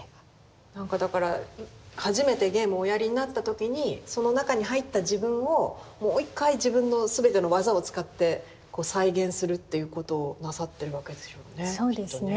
なんかだから初めてゲームをおやりになった時にその中に入った自分をもう一回自分の全ての技を使って再現するっていうことをなさってるわけでしょうねきっとね。